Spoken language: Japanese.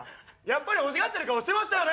やっぱり欲しがってる顔してましたよね。